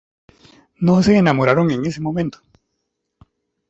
No se enamoraron en ese momento.